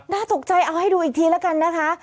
น่าตกใจเอาให้ดูอีกทีแล้วกันนะคะ